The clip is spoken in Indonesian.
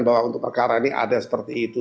bahwa untuk perkara ini ada seperti itu